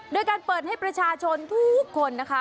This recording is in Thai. โดยการเปิดให้ประชาชนทุกคนนะคะ